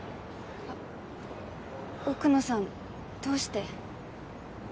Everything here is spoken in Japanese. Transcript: あ奥野さんどうして？